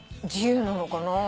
自由なのかな？